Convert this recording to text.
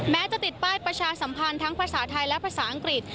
แม้จะติดป้ายประชาสัมพันธ์ทั้งภาษาไทยและภาษาอังกฤษ